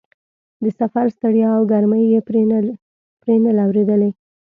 د سفر ستړیا او ګرمۍ یې پرې نه لورېدلې.